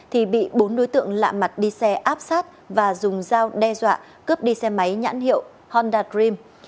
thì bị bốn đối tượng lạ mặt đi xe áp sát và dùng dao đe dọa cướp đi xe máy nhãn hiệu honda dream